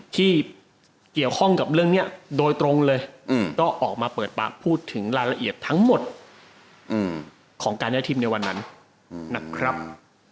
ที่เกี่ยวข้องกับเรื่องนี้โดยตรงเลยก็ออกมาเปิดปากพูดถึงรายละเอียดทั้งหมดของการย้ายทีมในวันนั้นนะครับ